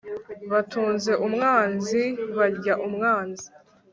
batunze umwanzi, barya umwanzi